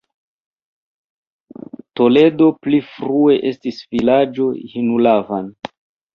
Toledo pli frue estis vilaĝo Hinulavan.